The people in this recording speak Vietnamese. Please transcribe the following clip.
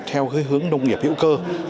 theo hướng nông nghiệp hữu cơ